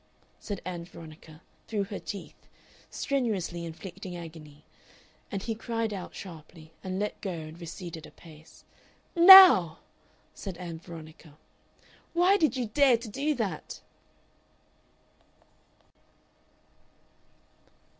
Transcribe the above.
said Ann Veronica, through her teeth, strenuously inflicting agony, and he cried out sharply and let go and receded a pace. "NOW!" said Ann Veronica. "Why did you dare to do that?"